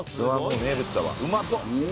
うまそう！